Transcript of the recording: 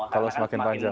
kalau semakin panjang